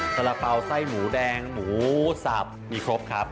สาระเป๋าไส้หมูแดงหมูสับมีครบครับ